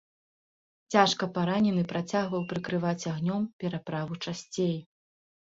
Цяжка паранены працягваў прыкрываць агнём пераправу часцей.